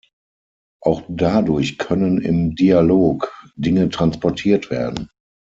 Auch dadurch können im Dialog Dinge transportiert werden.